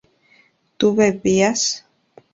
tú bebías